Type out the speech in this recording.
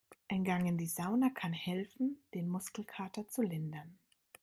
Ein Gang in die Sauna kann helfen, den Muskelkater zu lindern.